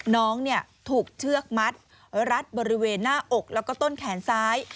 น้องถูกเชือกมัดรัดบริเวณหน้าอกแล้วก็ต้นแขนซ้าย